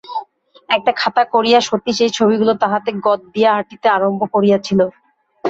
একটা খাতা করিয়া সতীশ এই ছবিগুলি তাহাতে গঁদ দিয়া আঁটিতে আরম্ভ করিয়াছিল।